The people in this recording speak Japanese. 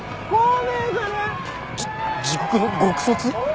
じ地獄の獄卒？